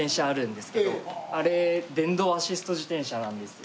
あれ電動アシスト自転車なんですよ